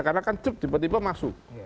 karena kan cepat cepat masuk